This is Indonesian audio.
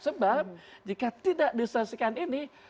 sebab jika tidak diselesaikan ini